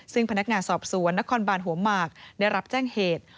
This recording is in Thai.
ซึ่งพนักงานสอบสวนนครบานหัวหมากได้รับแจ้งเหตุ